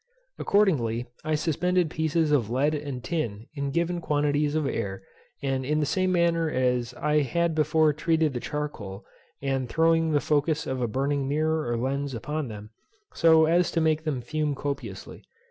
Accordingly, I suspended pieces of lead and tin in given quantities of air, in the same manner as I had before treated the charcoal; and throwing the focus of a burning mirror or lens upon them, so as to make them fume copiously.